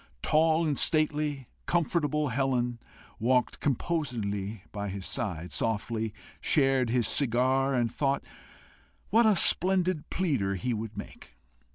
Tall, stately, comfortable Helen walked composedly by his side, softly shared his cigar, and thought what a splendid pleader he would make.